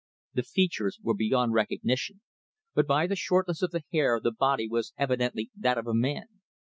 The features were beyond recognition, but by the shortness of the hair the body was evidently that of a man.